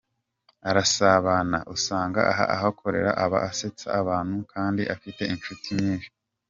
Arasabana, usanga aho akorera aba asetsa abantu kandi afite inshuti nyinshi.